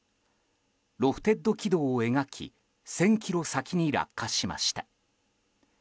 ロフテッド軌道を描き１０００ｋｍ先に落下しました。